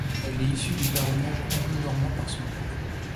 Elle est issue du baronnage anglo-normand par son père.